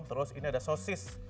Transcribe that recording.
terus ini ada sosis